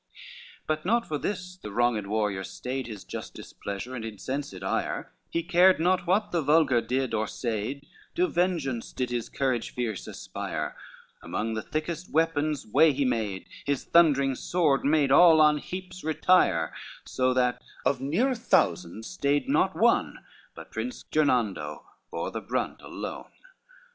XXIX But not for this the wronged warrior stayed His just displeasure and incensed ire, He cared not what the vulgar did or said, To vengeance did his courage fierce aspire: Among the thickest weapons way he made, His thundering sword made all on heaps retire, So that of near a thousand stayed not one, But Prince Gernando bore the brunt alone.